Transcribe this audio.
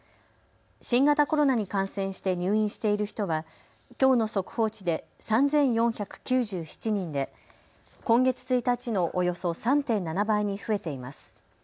新型コロナに感染して入院している人はきょうの速報値で３４９７人で今月１日のおよそ３．７倍に増えています。